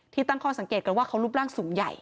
ตั้งข้อสังเกตกันว่าเขารูปร่างสูงใหญ่